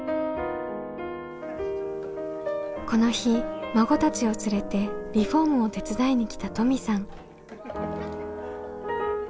この日孫たちを連れてリフォームを手伝いに来た登美さん。